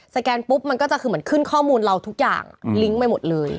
แกนปุ๊บมันก็จะคือเหมือนขึ้นข้อมูลเราทุกอย่างลิงก์ไปหมดเลย